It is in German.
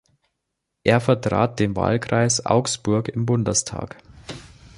Er vertrat den Wahlkreis Augsburg im Bundestag.